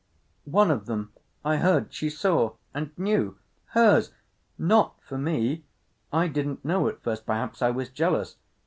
"One of them—I heard—she saw. And knew. Hers! Not for me. I didn't know at first. Perhaps I was jealous.